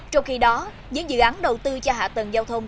trong khi đó những dự án đầu tư cho hạ tầng giao thông